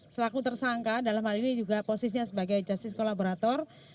selaku tersangka dalam hal ini juga posisinya sebagai justice kolaborator